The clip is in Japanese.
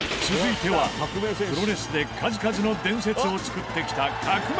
続いてはプロレスで数々の伝説を作ってきたさあ